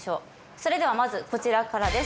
それではまずこちらからです。